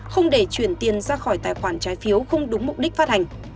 không để chuyển tiền ra khỏi tài khoản trái phiếu không đúng mục đích phát hành